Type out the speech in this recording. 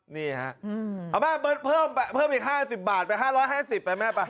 นี่ครับเอาแม่เพิ่มอีก๕๐บาทไป๕๕๐ไปแม่ไป